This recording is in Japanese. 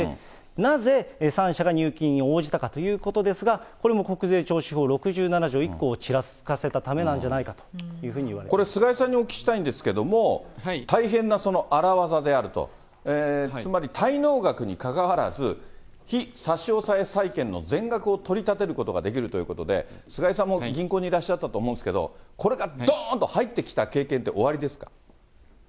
なぜ３社が入金に応じたかということですが、これも国税徴収法６７条１項をちらつかせたためなんじゃないかとこれ、菅井さんにお聞きしたいんですけれども、大変な荒業であると、つまり滞納額にかかわらず、被差し押さえ債権の全額を取り立てることができるということで、菅井さんも銀行にいらっしゃったと思うんですけれども、これがどんと入ってきた経験っておありですか？